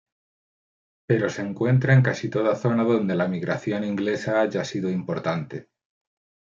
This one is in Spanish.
Pero se encuentra en casi toda zona donde la migración inglesa haya sido importante.